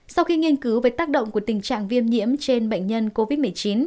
sau khi nghiên cứu về tác động của tình trạng viêm nhiễm trên bệnh nhân covid một mươi chín